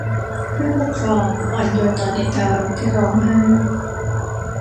ผู้ปกครองอ่อนโยนต่อเด็กทารกที่ร้องไห้